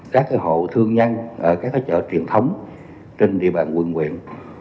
các cái hộ thương nhân ở các cái chợ truyền thống trên địa bàn quận quyện